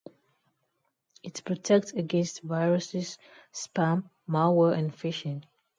It protects against viruses, spam, malware, and phishing.